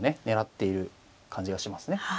狙っている感じがしますね。